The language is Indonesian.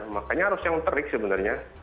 makanya harus yang terik sebenarnya